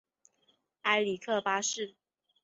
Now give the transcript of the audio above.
埃里克八世。